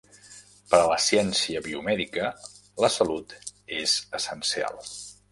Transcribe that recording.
Per a la ciència biomèdica, la salut és essencial.